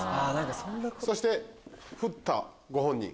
そしてふったご本人。